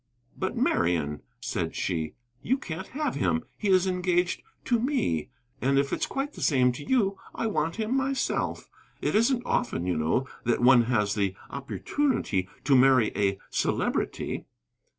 "But, Marian," said she, "you can't have him. He is engaged to me. And if it's quite the same to you, I want him myself. It isn't often, you know, that one has the opportunity to marry a Celebrity."